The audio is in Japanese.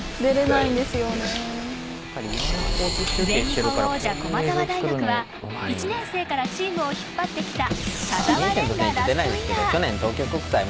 全日本王者、駒澤大学は１年生からチームを引っ張ってきた田澤廉がラストイヤー。